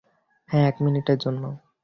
হ্যাঁ, এক মিনিটের জন্য।